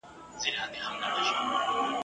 کشکي ستا په خاطر لمر وای راختلی !.